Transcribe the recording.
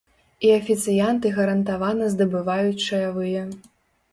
І афіцыянты гарантавана здабываюць чаявыя.